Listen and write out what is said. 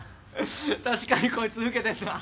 確かにこいつ老けてんな。